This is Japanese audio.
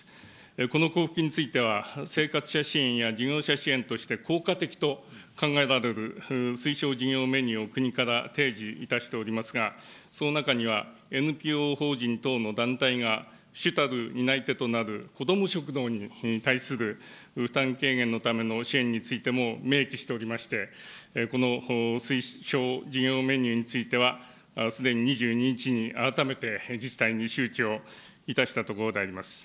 この交付金については、生活者支援や事業者支援として効果的と考えられる推奨事業メニューを国から提示いたしておりますが、その中には、ＮＰＯ法人等の団体が主たる担い手となるこども食堂に対する負担軽減のための支援についても明記しておりまして、この推奨事業メニューについては、すでに２２日に改めて、自治体に周知をいたしたところであります。